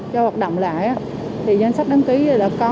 cho hoạt động lại thì danh sách đăng ký đã có